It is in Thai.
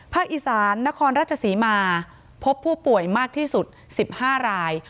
อีสานนครราชศรีมาพบผู้ป่วยมากที่สุด๑๕ราย